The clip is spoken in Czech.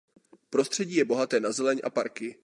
Prostředí je bohaté na zeleň a parky.